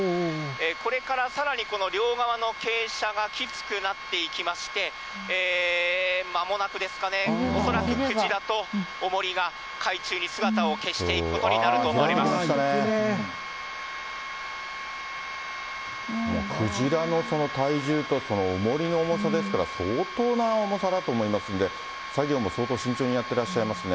これからさらにこの両側の傾斜がきつくなっていきまして、まもなくですかね、恐らくクジラとおもりが海中に姿を消していくことになると思いまクジラの体重とおもりの重さですから、相当な重さだと思いますんで、作業も相当慎重にやってらっしゃいますね。